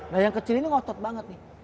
nah yang kecil ini ngotot banget nih